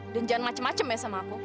dan jangan macem macem ya sama aku